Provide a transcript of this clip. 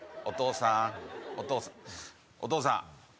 お義父さんお義父さんお義父さん